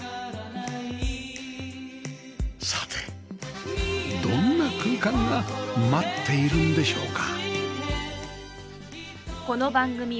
さてどんな空間が待っているんでしょうか？